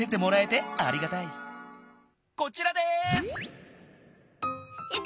こちらです。